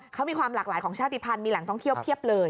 เขามีความหลากหลายของชาติพันธุ์มีแหล่งต้องเทียบเลย